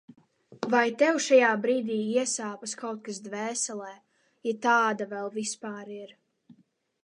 Vai tev šajā brīdī iesāpas kaut kas dvēselē, ja tāda vēl vispār ir?